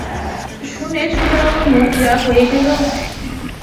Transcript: শুনে ছোটবাবুর মুখ যা হয়ে গেল!